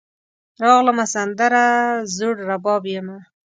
راغلمه , سندره زوړرباب یمه